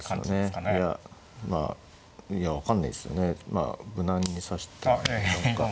まあ無難に指したら何か。